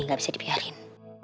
ini gak bisa dibiarin